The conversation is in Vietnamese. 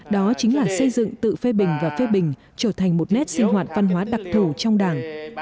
đó chính là xây dựng tự phê bình và phê bình trở thành một nét sinh hoạt văn hóa đặc thù trong đảng